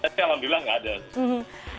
tapi alhamdulillah nggak ada